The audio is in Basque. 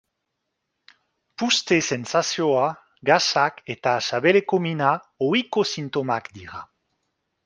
Puzte-sentsazioa, gasak eta sabeleko mina ohiko sintomak dira.